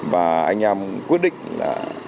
và anh em quyết định là